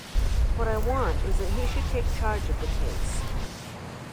What I want is that he should take charge of the case.